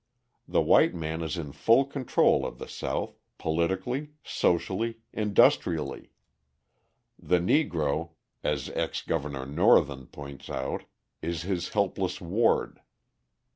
The white man is in full control of the South, politically, socially, industrially: the Negro, as ex Governor Northen points out, is his helpless ward.